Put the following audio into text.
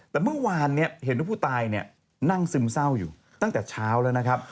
แต่เมื่อวานเห็นว่าผู้ตายนั่งซึมเศร้าอยู่ตั้งแต่เช้าแล้วนะครับ